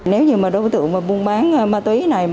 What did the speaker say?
nếu như đối tượng mua bán ma túy này